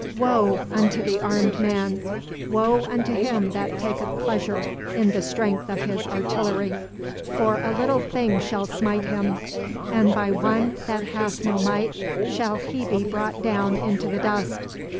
Woe unto the armed man, woe unto him that taketh pleasure in the strength of his artillery, for a little thing shall smite him, and by one that hath no might shall he be brought down into the dust.